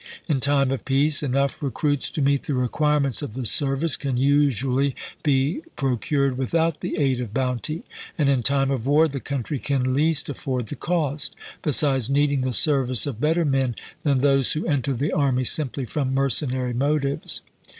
In time of peace, enough recruits to meet the requirements of 48 ABKAHAM LINCOLN chap.il the service can usually be procured without the aid of bounty, and in time of war the country can least afford the cost, besides needing the service of better men than those who enter the army simply from mercenary motives.